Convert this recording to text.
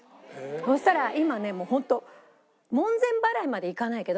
そしたら今ねホント門前払いまでいかないけど。